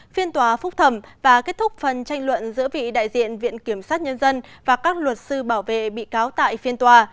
phiên tòa phúc thẩm và kết thúc phần tranh luận giữa vị đại diện viện kiểm sát nhân dân và các luật sư bảo vệ bị cáo tại phiên tòa